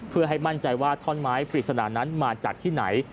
เพื่อให้มั่นใจว่าท่อนไม้ปริศนานั้นมาจากที่ไหน